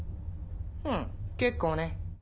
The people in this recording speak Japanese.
うん結構ね。